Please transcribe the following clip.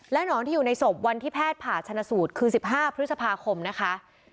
หนอนที่อยู่ในศพวันที่แพทย์ผ่าชนะสูตรคือ๑๕พฤษภาคมนะคะ